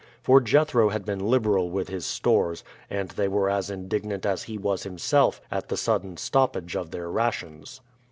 For Jethro had been liberal with his stores, and they were as indignant as he was himself at the sudden stoppage of their rations.